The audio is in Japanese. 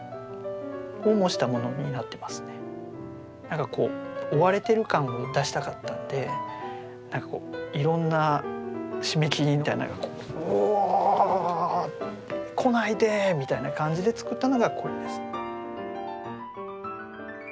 何か追われてる感を出したかったんでいろんな締め切りみたいなのがこう「ウオ」「来ないで！」みたいな感じで作ったのがこれですね。